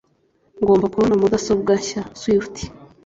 Ngomba kubona mudasobwa nshya. (Swift)